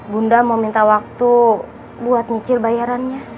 bunda mau minta waktu buat nyicil bayarannya